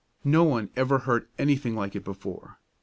No one ever heard anything like it before.